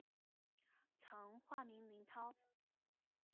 曾化名林涛。